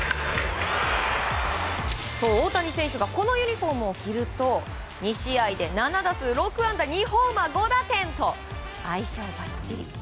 そう、大谷選手がこのユニホームを着ると２試合で７打数６安打２ホーマー５打点と相性ばっちり。